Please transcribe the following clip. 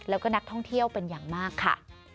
แล้วก็นักท่องเที่ยวเป็นอย่างมากค่ะ